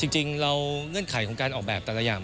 จริงเราเงื่อนไขของการออกแบบแต่ละอย่าง